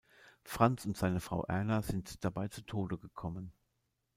Franz und seine Frau Erna sind dabei zu Tode gekommen.